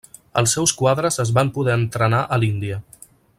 Els seus quadres es van poder entrenar a l'Índia.